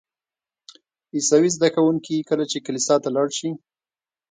عیسوي زده کوونکي کله چې کلیسا ته لاړ شي.